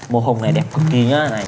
màu hồng này đẹp cực kì nhá